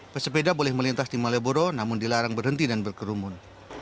pesepeda boleh melintas di malioboro namun dilarang berhenti dan berkerumun